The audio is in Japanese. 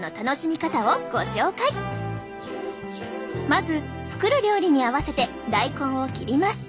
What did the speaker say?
まず作る料理に合わせて大根を切ります。